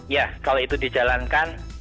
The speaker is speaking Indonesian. ya kalau itu dijalankan